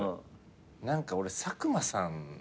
何か俺佐久間さん。